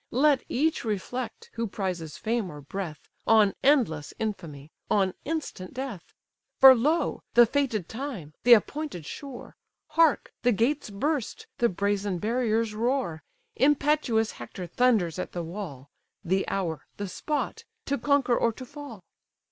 Let each reflect, who prizes fame or breath, On endless infamy, on instant death: For, lo! the fated time, the appointed shore: Hark! the gates burst, the brazen barriers roar! Impetuous Hector thunders at the wall; The hour, the spot, to conquer, or to fall."